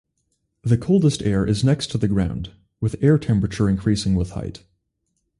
The coldest air is next to the ground, with air temperature increasing with height.